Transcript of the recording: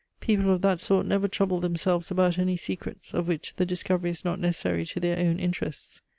People of that sort never trouble themselves about any secrets of which the discovery is not necessary to their own interests.